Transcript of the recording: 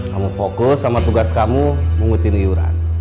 kamu fokus sama tugas kamu mengutin iuran